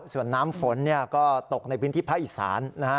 ส่วนน้ำฝนก็ตกในพื้นที่ไพรศาล